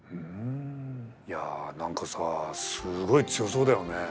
いやぁなんかさすごい強そうだよね。